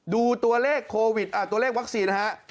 ดูตัวเลขโควิดตัวเลขวัคซีนนะฮะ